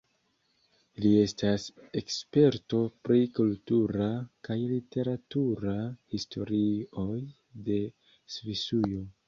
Li estas eksperto pri kultura kaj literatura historioj de Svisujo.